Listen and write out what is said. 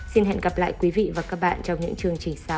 xin hẹn gặp lại quý vị và các bạn trong những chương trình sau